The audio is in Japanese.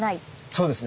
そうですね。